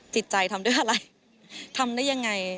จิตใจทำด้วยอะไรทำได้ยังไง